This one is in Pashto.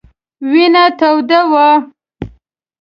وینه توده وه.